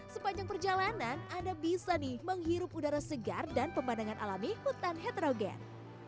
sepanjang perjalanan anda bisa nih menghirup udara segar dan pemandangan alami hutan heterogen